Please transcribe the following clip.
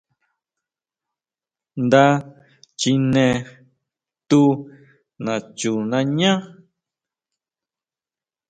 Nda chine tu nachunañá.